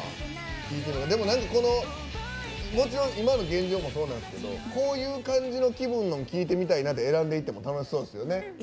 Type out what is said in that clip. もちろん今の現状もそうなんですけどこういう感じの気分で聴いてみたいなというのを選んでいっても楽しそうですよね。